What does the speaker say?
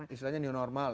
istilahnya new normal ya